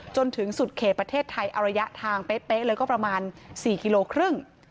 จนถึงสุดเขตประเทศไทยเอาระยะทางเป๊ะเลยก็ประมาณ๔กิโลครึ่ง